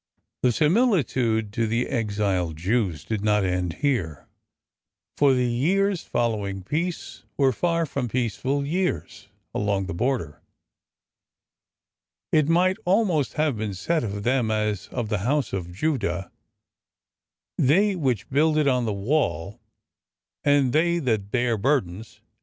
The similitude to the exiled Jews did not end here, for the years following peace were far from peaceful years along the border. It might almost have been said of them as of the house of Judah : They which builded on the wall, and they that bare burdens, .